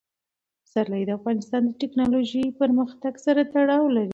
پسرلی د افغانستان د تکنالوژۍ پرمختګ سره تړاو لري.